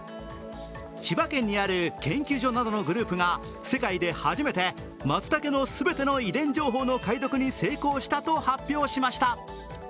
千葉県にある研究所などのグループが世界で初めてまつたけの全ての遺伝情報の解読に成功したと発表しました。